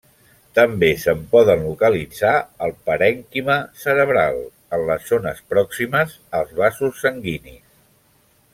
També se’n poden localitzar al parènquima cerebral, en les zones pròximes als vasos sanguinis.